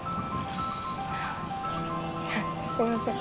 すいません。